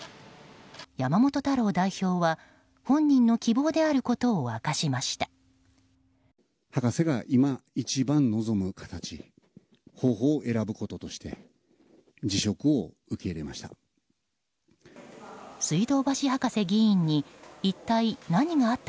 山本太郎代表は本人の希望であることを明かしました。